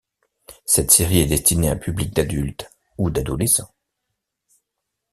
Cette série est destinée à un public d'adultes ou d'adolescents.